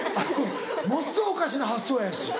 ものすごいおかしな発想やし。